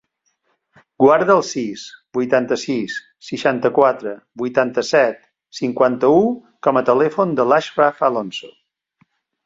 Guarda el sis, vuitanta-sis, seixanta-quatre, vuitanta-set, cinquanta-u com a telèfon de l'Achraf Afonso.